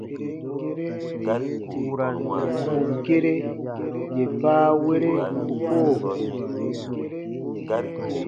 Bù gere yè baawere u koo ko.